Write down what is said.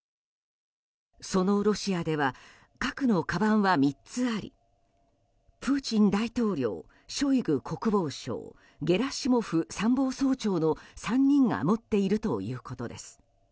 そのロシアでは核のかばんは３つありプーチン大統領、ショイグ国防相ゲラシモフ参謀総長の３人が持っているということです。